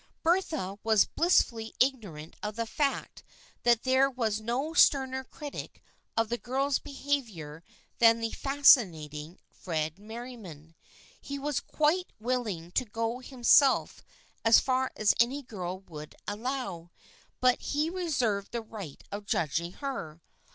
Bertha was blissfully ignorant of the fact that there was no sterner critic of a girl's behavior than the " fascinating " Fred Merriam. He was quite willing to go himself as far as any girl would allow, but he reserved the right of judging her.